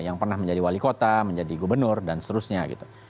yang pernah menjadi wali kota menjadi gubernur dan seterusnya gitu